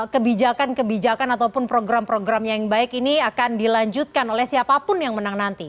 kebijakan kebijakan ataupun program programnya yang baik ini akan dilanjutkan oleh siapapun yang menang nanti